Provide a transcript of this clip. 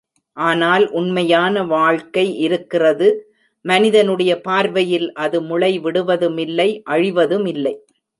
ஆனால் உண்மையான வாழ்க்கை இருக்கிறது மனிதனுடைய பார்வையில் அது முளைவிடுவதுமில்லை, அழிவதுமில்லை.